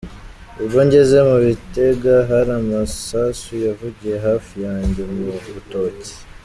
Ubwo ngeze mu Bitega, hari amasasu yavugiye hafi yanjye mu rutoki.